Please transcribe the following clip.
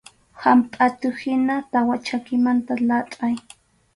Hampʼatuhina tawa chakimanta latʼay.